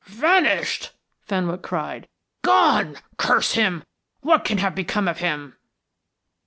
"Vanished," Fenwick cried. "Gone! Curse him, what can have become of him?"